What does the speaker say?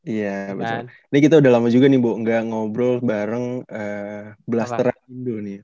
iya ini kita udah lama juga nih bu gak ngobrol bareng bluster indo nih